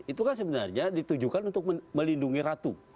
itu kan sebenarnya ditujukan untuk melindungi ratu